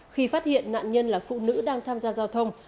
khi phát hiện nạn nhân là phụ nữ đang tham gia giao thông